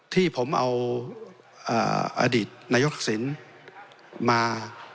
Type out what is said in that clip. ที่ผมเอาอดีตนัยกษิณมา